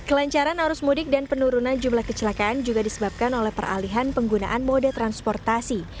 kelancaran arus mudik dan penurunan jumlah kecelakaan juga disebabkan oleh peralihan penggunaan mode transportasi